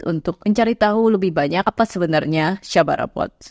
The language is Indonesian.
untuk mencari tahu lebih banyak apa sebenarnya syabarapot